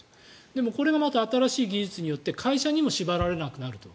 でもこれが新しい技術によって会社にも縛られなくなると。